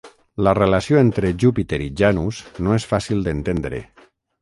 La relació entre Júpiter i Janus no és fàcil d'entendre.